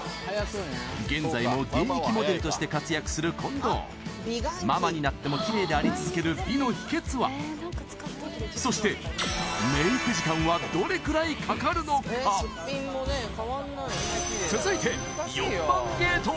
現在も現役モデルとして活躍する近藤ママになってもキレイであり続ける美の秘訣はそしてメイク時間はどれくらいかかるのか続いて４番ゲート